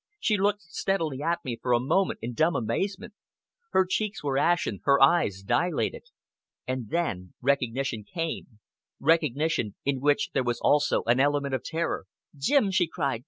She looked steadily at me for a moment in dumb amazement. Her cheeks were ashen, her eyes dilated. And then recognition came recognition in which there was also an element of terror. "Jim!" she cried.